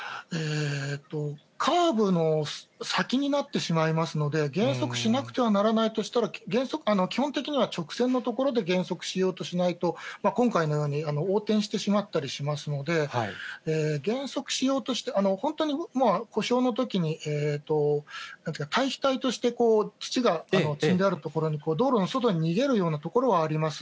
カーブの先になってしまいますので、減速しなくてはならないとしたら、基本的には直線の所で減速しようとしないと、今回のように横転してしまったりしますので、減速しようとして、本当に故障のときに、たいひたいとして土が積んである所に道路の外に逃げるような所はあります。